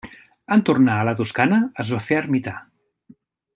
En tornar a la Toscana es va fer ermità.